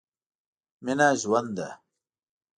مينه ژوند ده.